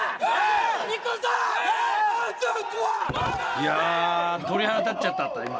いや鳥肌立っちゃった今。